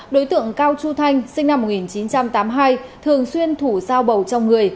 đối tượng cao chu thanh sinh năm một nghìn chín trăm tám mươi hai thường xuyên thủ sao bầu trong người